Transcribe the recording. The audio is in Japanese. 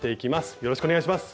よろしくお願いします。